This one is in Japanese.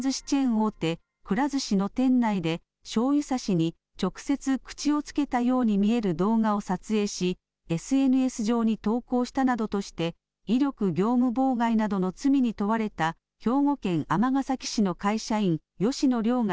大手くら寿司の店内でしょうゆさしに直接口をつけたように見える動画を撮影しＳＮＳ上に投稿したなどとして威力業務妨害などの罪に問われた兵庫県尼崎市の会社員吉野凌雅